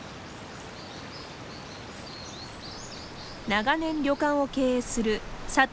長年旅館を経営する佐藤